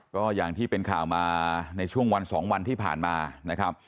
ก็อย่างที่เป็นข่าวมาในช่วงวัน๒วันที่ผ่านมานะครับ